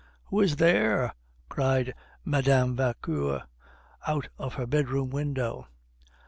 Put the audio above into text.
"Who is there?" cried Mme. Vauquer out of her bedroom window.